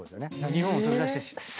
日本を飛び出して。